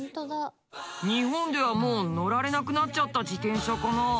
日本ではもう乗られなくなっちゃった自転車かな。